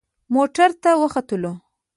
موټر ته وختلو.